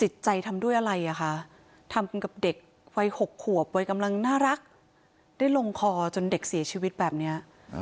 ใจทำด้วยอะไรอ่ะคะทำกับเด็กวัย๖ขวบวัยกำลังน่ารักได้ลงคอจนเด็กเสียชีวิตแบบนี้